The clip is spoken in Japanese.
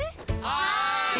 はい。